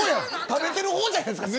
食べてる方じゃないですか。